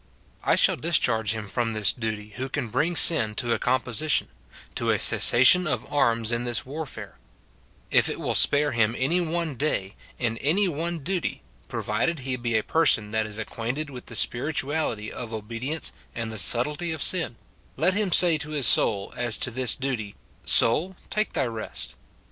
I shall discharge him from this duty who can bring sin to a composition, to a cessation of arms in this warfare ; if it will spare him any one day, in any one duty (pro vided he be a person that is acquainted with the spiritu ality of obedience and the subtlety of sin), let him say to 14 158 MORTIFICATION OF his soul, as to this duty, " Soul, take thy rest."